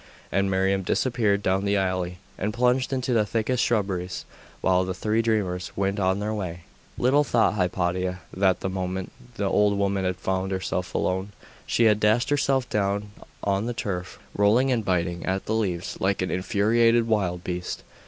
And Miriam disappeared down an alley, and plunged into the thickest shrubberies, while the three dreamers went on their way. Little thought Hypatia that the moment the old woman had found herself alone, she had dashed herself down on the turf, rolling and biting at the leaves like an infuriated wild beast.....